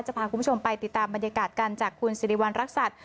พาคุณผู้ชมไปติดตามบรรยากาศกันจากคุณสิริวัณรักษัตริย์